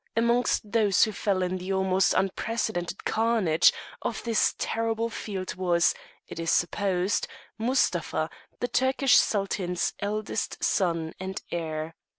Amongst those who fell in the almost unprecedented carnage of this terrible field was, it is supposed, Mustapha, the Turkish Sultan's eldest son and heir.